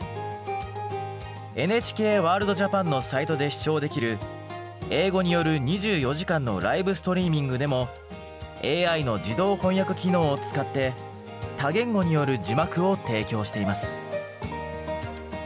ＮＨＫワールドＪＡＰＡＮのサイトで視聴できる英語による２４時間のライブストリーミングでもＡＩの自動翻訳機能を使って多言語による字幕を提供しています。